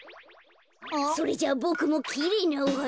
それじゃあボクもきれいなおはなを。